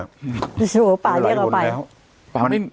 โชว์ป่าเรียกเราไป